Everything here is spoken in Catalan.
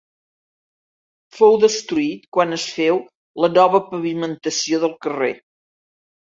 Fou destruït quan es féu la nova pavimentació del carrer.